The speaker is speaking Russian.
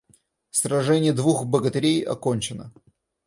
Сраженье двух богатырей окончено.